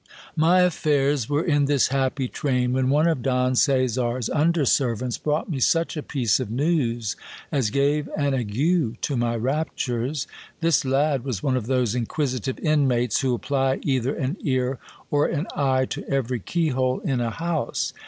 My affairs were in this happy train, when one of Don Caesar's under servants brought me such a piece of news, as gave an ague to my raptures. This lad was one of those inquisitive inmates who apply either an ear or an eye to every keyhole in a house.